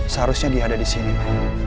seharusnya dia ada disini pak